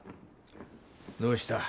どうした？